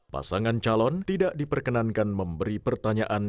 pasangan calon tidak diperkenankan memberi pertanyaan